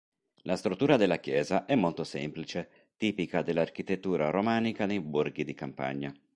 La struttura della chiesa è molto semplice, tipica dell'architettura romanica nei borghi di campagna.